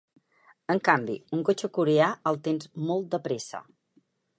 En canvi, un cotxe coreà, el tens molt de pressa.